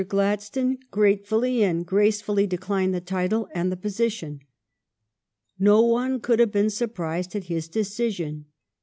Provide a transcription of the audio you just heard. Gladstone grate fully and gracefully declined the title and the posi tion. No one could have been surprised at his decision.